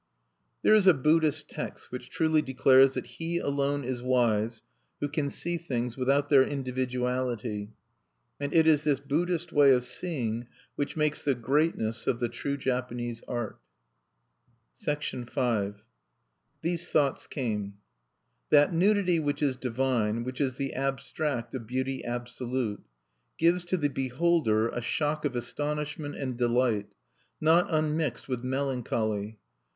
There is a Buddhist text which truly declares that he alone is wise who can see things without their individuality. And it is this Buddhist way of seeing which makes the greatness of the true Japanese art. V These thoughts came: That nudity which is divine, which is the abstract of beauty absolute, gives to the beholder a shock of astonishment and delight, not unmixed with melancholy.